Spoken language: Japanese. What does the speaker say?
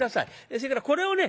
それからこれをね